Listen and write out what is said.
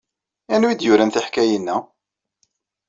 Anwa i d-yuran tiḥkayin-a?